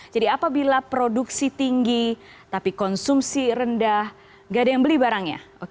jadi apabila produksi tinggi tapi konsumsi rendah gak ada yang beli barangnya